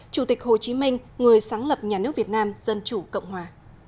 chủ tịch hồ chí minh người sáng lập nhà nước việt nam dân chủ cộng hòa